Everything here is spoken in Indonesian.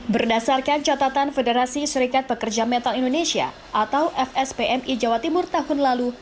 berdasarkan catatan federasi serikat pekerja metal indonesia atau fspmi jawa timur tahun lalu